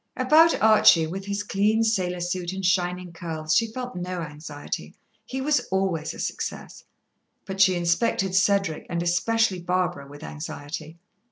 About Archie, with his clean sailor suit and shining curls, she felt no anxiety. He was always a success. But she inspected Cedric, and especially Barbara, with anxiety.